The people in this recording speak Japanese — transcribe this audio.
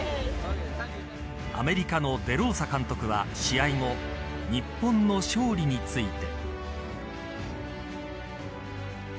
アメリカのデローサ監督は試合後日本の勝利について。